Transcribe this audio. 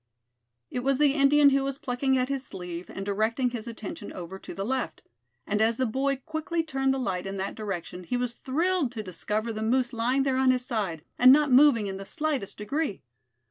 It was the Indian who was plucking at his sleeve, and directing his attention over to the left. And as the boy quickly turned the light in that direction he was thrilled to discover the moose lying there on his side, and not moving in the slightest degree.